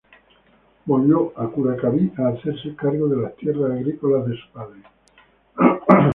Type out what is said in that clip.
Volvió a Curacaví a hacerse cargo de las tierras agrícolas de su padre.